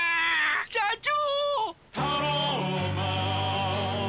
社長！